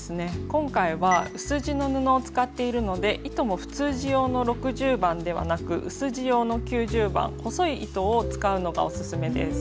今回は薄地の布を使っているので糸も普通地用の６０番ではなく薄地用の９０番細い糸を使うのがオススメです。